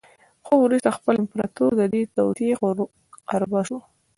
خو وروسته خپله امپراتور د دې توطیې قربا شو